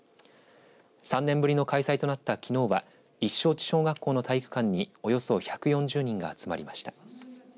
３年ぶりの開催となったきのうは一勝地小学校の体育館におよそ１４０人が集まりました。